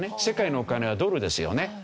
世界のお金はドルですよね。